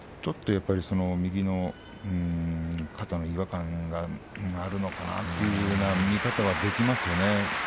右の肩に違和感があるのかなという見方はできますね。